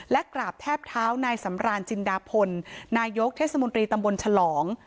และกราบแทบเท้านายสำรานจินดาพลนายกเทศมนตรีตำบลฉลอง